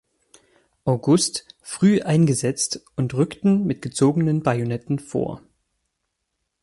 August früh eingesetzt und rückten mit gezogenen Bajonetten vor.